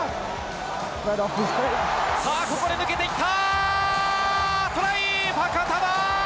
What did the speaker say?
ここで抜けていった！トライ！